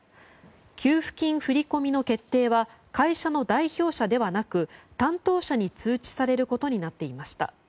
給付金振り込みの決定は会社の代表者ではなく担当者に通知されることになっていました。